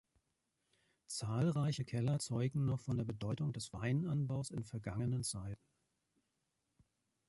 Zahlreiche Keller zeugen noch von der Bedeutung des Weinanbaus in vergangenen Zeiten.